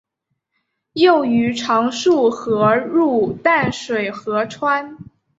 幼鱼常溯河入淡水河川。